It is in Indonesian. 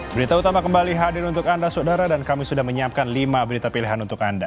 berita utama kembali hadir untuk anda saudara dan kami sudah menyiapkan lima berita pilihan untuk anda